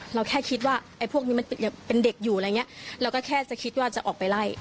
แค่คิดว่าไอ้พวกนี้มันยังเป็นเด็กอยู่อะไรอย่างเงี้ยเราก็แค่จะคิดว่าจะออกไปไล่